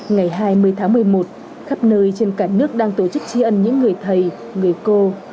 ngày hai mươi tháng một mươi một khắp nơi trên cả nước đang tổ chức tri ân những người thầy người cô